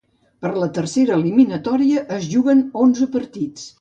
Per la tercera eliminatòria es juguen onze partits.